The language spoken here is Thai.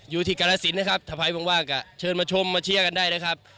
อยู่ที่กาลสินนะครับถ้าใครว่างก็เชิญมาชมมาเชียร์กันได้นะครับ